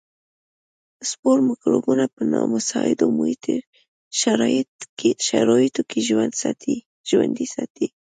سپور مکروبونه په نامساعدو محیطي شرایطو کې ژوندي ساتي.